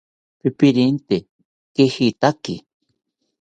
¡Pipirente kejitaki!